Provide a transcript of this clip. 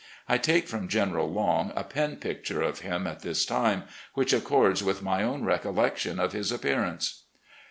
I take from General Long a pen picture of him at this time, which accords with my own recollection of his appearance